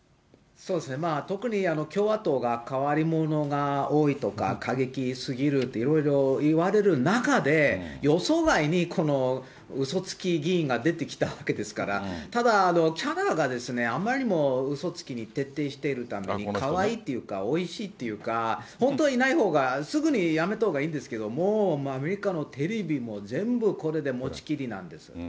そうですね、特に共和党が変わり者が多いとか、過激すぎるって、いろいろ言われる中で、予想外にこのうそつき議員が出てきたわけですから、ただ、キャラが、あまりにもうそつきに徹底しているためにかわいいっていうか、おいしいっていうか、本当はいないほうが、すぐに辞めたほうがいいんですけど、もうアメリカのテレビも全部これでもちきりなんです。